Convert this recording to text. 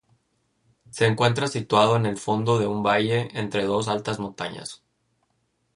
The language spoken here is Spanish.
Se encuentra situado en el fondo de un valle, entre dos altas montañas.